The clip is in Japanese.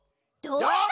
どうぞ！